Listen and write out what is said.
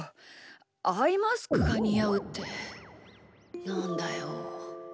アイマスクがにあうってなんだよ。